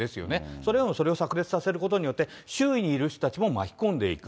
それでもそれをさく裂させることによって、周囲にいる人たちも巻き込んでいく。